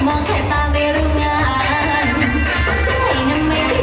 มีแต่ความสุขใจ